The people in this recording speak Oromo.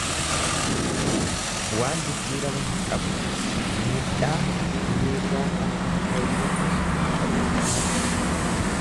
Waan jijiirama hin qabne, miidhaa duriirra kan hin fooyyofne ta'uu isaa ibsa.